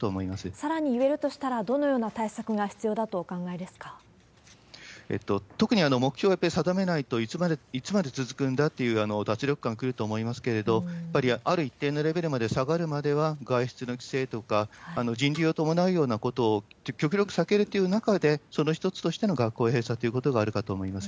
さらに言えるとしたら、どのような対策が必要だとお考えです特に目標をやっぱり定めないと、いつまで続くんだという脱力感来ると思いますけれども、やっぱりある一定のレベルまで下がるまでは、外出の規制とか、人流を伴うようなことを極力避けるという中で、その一つとしての学校閉鎖ということがあるかと思います。